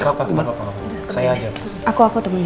saya temanin sampai kerbangnya